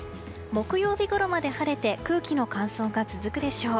木曜日ごろまで晴れて空気の乾燥が続くでしょう。